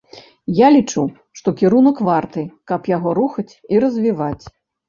Я лічу, што кірунак варты, каб яго рухаць і развіваць.